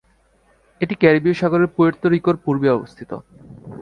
এটি ক্যারিবীয় সাগরে পুয়ের্তো রিকোর পূর্বে অবস্থিত।